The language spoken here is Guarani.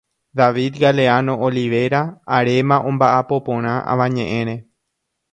David Galeano Olivera aréma ombaʼapo porã avañeʼẽre.